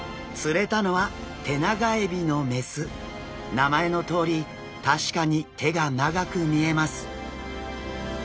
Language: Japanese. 名前のとおり確かに手が長く見えます。